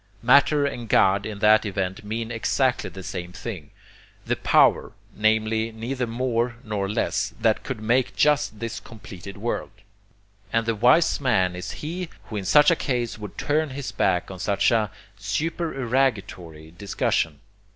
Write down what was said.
Matter and God in that event mean exactly the same thing the power, namely, neither more nor less, that could make just this completed world and the wise man is he who in such a case would turn his back on such a supererogatory discussion.